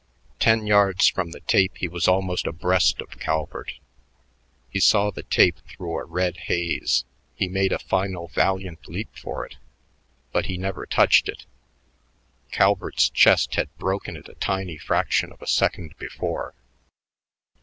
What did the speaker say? Ten yards from the tape he was almost abreast of Calvert. He saw the tape through a red haze; he made a final valiant leap for it but he never touched it: Calvert's chest had broken it a tiny fraction of a second before.